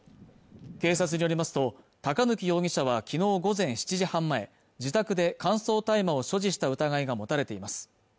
警察によりますと高貫容疑者はきのう午前７時半前自宅で乾燥大麻を所持した疑いが持たれています